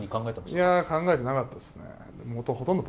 いや考えてなかったですね。